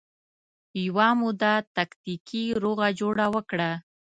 یوه موده تکتیکي روغه جوړه وکړه